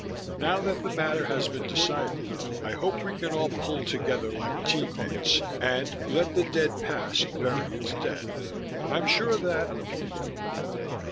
Now that the matter has been decided, I hope we can all pull together like team mates, and "let the dead past bury its dead". I'm sure that....